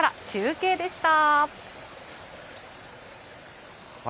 中継でした。